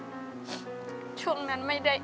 สวัสดีครับน้องเล่จากจังหวัดพิจิตรครับ